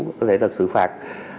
có thể là sự phạt